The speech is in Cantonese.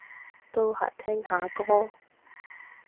都係聽下歌